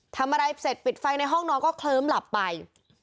ทำอะไรเสร็จปิดไฟในห้องนอนก็เคลิ้มหลับไป